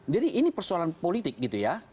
jadi ini persoalan politik gitu ya